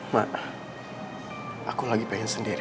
mak aku lagi pengen sendiri